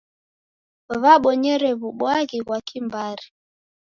W'abonyere w'ubwaghi ghwa kimbari.